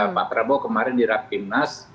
pak prabowo kemarin dirapimnas